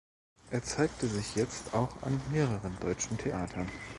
Er zeigte sich jetzt auch an mehreren deutschen Theatern.